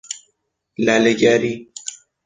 لله گری